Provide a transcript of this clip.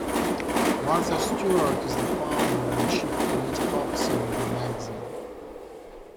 Martha Stewart is the Founder and Chief Creative Officer of the magazine.